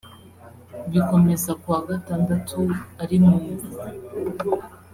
bikomeza ku wa gatandatu ari mumva